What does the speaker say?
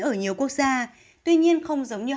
ở nhiều quốc gia tuy nhiên không giống như